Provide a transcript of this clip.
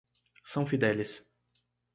São Fidélis